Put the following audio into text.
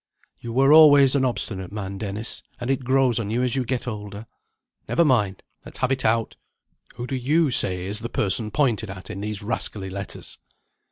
"You were always an obstinate man Dennis; and it grows on you as you get older. Never mind! Let's have it out. Who do you say is the person pointed at in these rascally letters?"